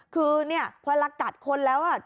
คือนี่เพราะละกัดคนแล้ว